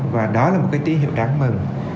và đó là một cái tín hiệu đáng mừng